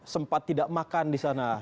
sempat tidak makan di sana